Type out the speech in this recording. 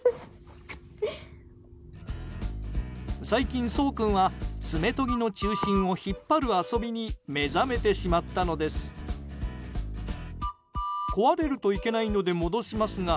最近、ソウ君は爪とぎの中心を引っ張る遊びに目覚めてしまったのです。